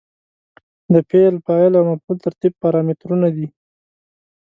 د فعل، فاعل او مفعول ترتیب پارامترونه دي.